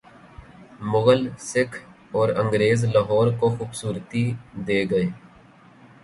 مغل، سکھ اور انگریز لاہور کو خوبصورتی دے گئے۔